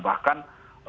bahkan mencari oksigen ya